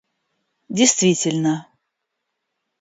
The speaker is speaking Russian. действительно